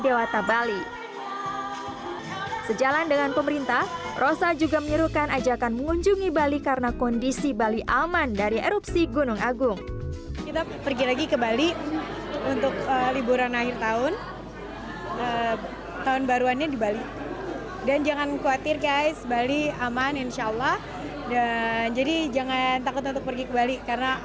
dan jadi jangan takut untuk pergi ke bali karena aku sama keluarga besar aku juga akan pergi